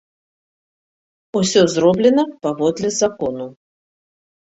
Усё зроблена паводле закону.